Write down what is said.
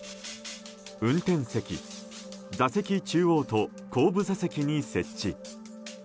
運転席、座席中央と後部座席に設置。